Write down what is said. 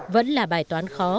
vẫn là bài toán khó